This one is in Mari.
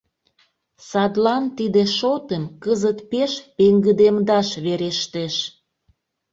Садлан тиде шотым кызыт пеш пеҥгыдемдаш верештеш.